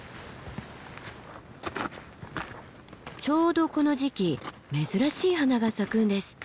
ちょうどこの時期珍しい花が咲くんですって。